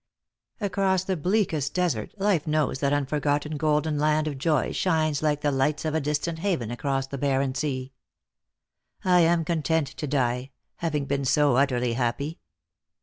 Across the bleakest desert life knows that unforgotten golden land of joy shines like the lights of a distant haven across the barren sea. I am con tent to die, having been so utterly happy.